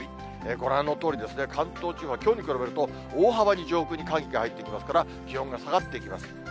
ご覧のとおりですね、関東地方はきょうに比べると、大幅に上空に寒気が入ってきますから、気温が下がってきます。